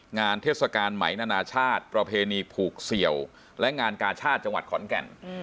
เทศกาลไหมนานาชาติประเพณีผูกเสี่ยวและงานกาชาติจังหวัดขอนแก่น